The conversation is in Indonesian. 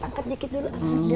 angkat dikit dulu